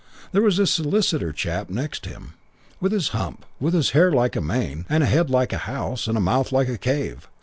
There was this solicitor chap next him, with his hump, with his hair like a mane, and a head like a house, and a mouth like a cave.